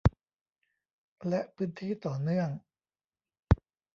และพื้นที่ต่อเนื่อง